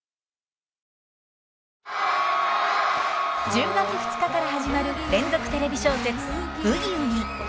１０月２日から始まる連続テレビ小説「ブギウギ」。